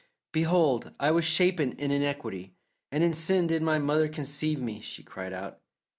"Behold, I was shapen in iniquity; and in sin did my mother conceive me," she cried out.